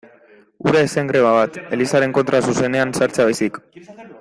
Hura ez zen greba bat, Elizaren kontra zuzenean sartzea baizik.